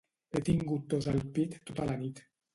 He tingut tos al pit tota la nit.